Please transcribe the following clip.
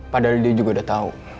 padahal dia juga udah tahu